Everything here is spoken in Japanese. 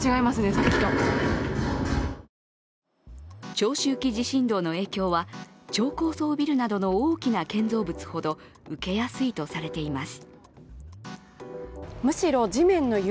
長周期地震動の影響は超高層ビルなどの大きな建造物ほど受けやすいとされています。